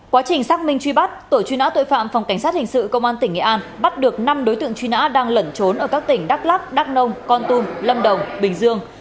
quá trình xác minh truy bắt tổ truy nã tội phạm phòng cảnh sát hình sự công an tỉnh nghệ an bắt được năm đối tượng truy nã đang lẩn trốn ở các tỉnh đắk lắc đắk nông con tum lâm đồng bình dương